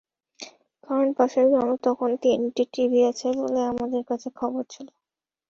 কারণ, পাশের গ্রামে তখন তিনটি টিভি আছে বলে আমাদের কাছে খবর ছিল।